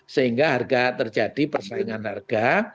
sehingga harga terjadi persaingan harga